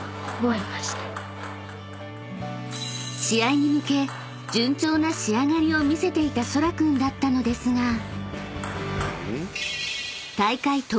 ［試合に向け順調な仕上がりを見せていたそら君だったのですが］